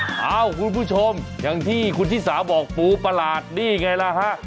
เอ้าคุณผู้ชมอย่างที่คุณชิสาบอกปูประหลาดนี่ไงล่ะฮะ